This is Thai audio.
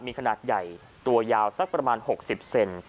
มีขนาดใหญ่ตัวยาวสักประมาณ๖๐เซน